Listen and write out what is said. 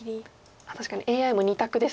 確かにＡＩも２択ですね。